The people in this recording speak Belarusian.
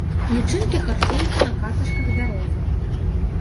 Лічынкі харчуюцца на каташках бярозы.